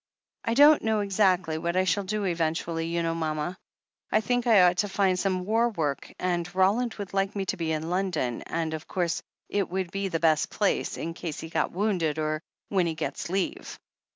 "I don't know exactly what I shall do eventually, you know, mama. I think I ought to find some war work, and Roland would like me to be in London, and 454 THE HEEL OF ACHILLES of course it wotild be the best place, in case he got wounded, or when he gets leave."